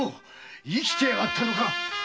生きてやがったのか！